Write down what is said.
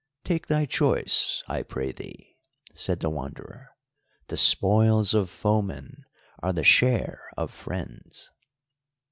"Take thy choice, I pray thee," said the Wanderer, "the spoils of foemen are the share of friends."